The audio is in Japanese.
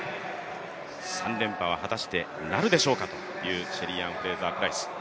３連覇は果たしてなるでしょうかというシェリーアン・フレイザープライス。